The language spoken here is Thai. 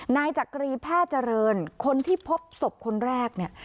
นายจักรีแพทย์เจริญคนที่พบศพคนแรกเนี่ย